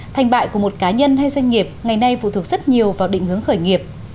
thành bại của một cá nhân hay doanh nghiệp ngày nay phụ thuộc rất nhiều vào định hướng khởi nghiệp